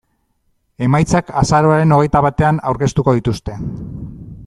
Emaitzak azaroaren hogeita batean aurkeztuko dituzte.